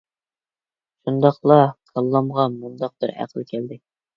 شۇنداقلا كاللامغا مۇنداق بىر ئەقىل كەلدى.